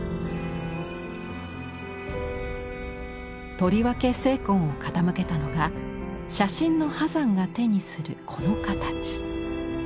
とりわけ精魂を傾けたのが写真の波山が手にするこの形。